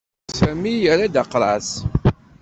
Sami yerra-d aqras.